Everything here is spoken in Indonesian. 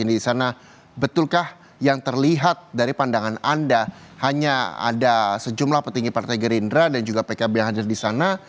di sana betulkah yang terlihat dari pandangan anda hanya ada sejumlah petinggi partai gerindra dan juga pkb yang hadir di sana